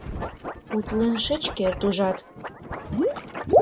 Утлен шыч керт, ужат!..